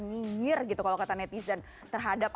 nyinyir gitu kalau kata netizen terhadap